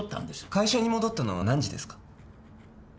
会社に戻ったのは何時ですか？